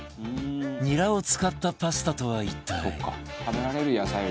ニラを使ったパスタとは一体？